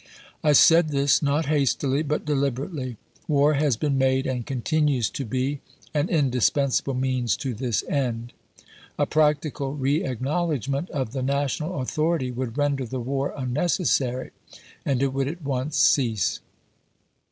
I said this, not hastily, but deliberately. War has been made, and continues to be, an indispen sable means to this end. A practical reacknowledgment of the national authority would render the war unneces sary, and it would at once cease.